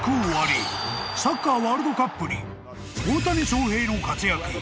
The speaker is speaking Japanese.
［サッカーワールドカップに大谷翔平の活躍